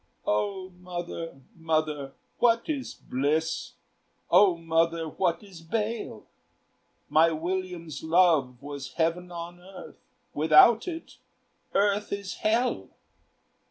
"O mother, mother, what is bliss? O mother, what is bale? My William's love was heaven on earth; Without it earth is hell.